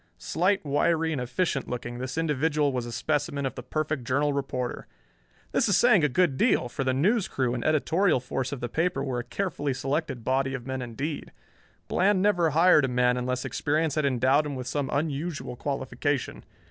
Slight, wiry and efficient looking, this individual was a specimen of the perfect Journal reporter. This is saying a good deal, for the news crew and editorial force of the paper were a carefully selected body of men indeed. Bland never hired a man unless experience had endowed him with some unusual qualification.